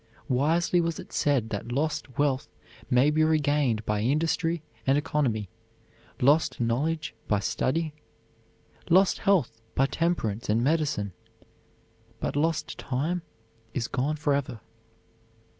Wisely was it said that lost wealth may be regained by industry and economy, lost knowledge by study, lost health by temperance and medicine, but lost time is gone forever.